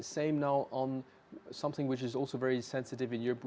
sama juga dengan hal yang sangat sensitif di eropa